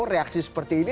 terima kasih erik